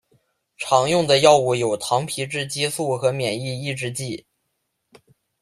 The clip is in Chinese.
常用的药物有糖皮质激素和免疫抑制剂。